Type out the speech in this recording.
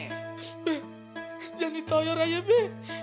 be jangan ditoyor aja be